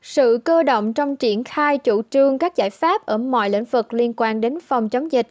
sự cơ động trong triển khai chủ trương các giải pháp ở mọi lĩnh vực liên quan đến phòng chống dịch